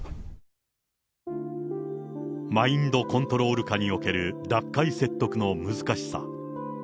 マインドコントロール下における脱会説得の難しさ。